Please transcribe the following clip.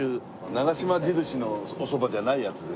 長嶋印のおそばじゃないやつですよね。